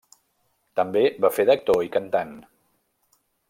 També va fer d'actor i cantant.